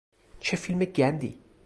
چه فیلم گندی!